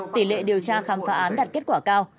tỷ lệ điều tra khám phá án đạt kết quả cao